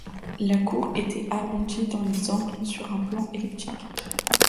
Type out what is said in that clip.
La cour était arrondie dans les angles, sur un plan elliptique.